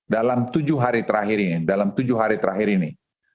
dalam tujuh hari terakhir ini